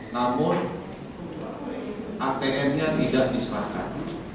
namun atm nya tidak diserahkan